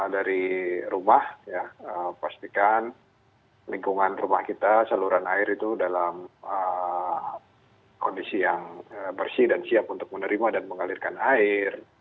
dari rumah pastikan lingkungan rumah kita saluran air itu dalam kondisi yang bersih dan siap untuk menerima dan mengalirkan air